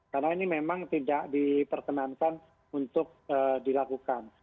karena ini memang tidak diperkenankan untuk dilakukan